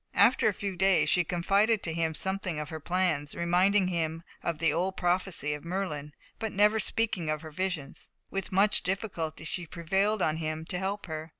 After a few days she confided to him something of her plans, reminding him of the old prophecy of Merlin, but never speaking of her visions. With much difficulty she prevailed on him to help her.